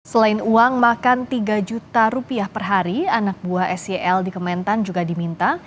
selain uang makan tiga juta rupiah per hari anak buah sel di kementan juga diminta